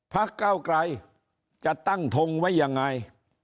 ภักดิ์เก้าไกลจะตั้งทงไว้ยังไง